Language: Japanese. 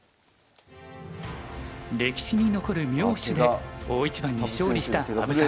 歴史に残る妙手で大一番に勝利した羽生さん。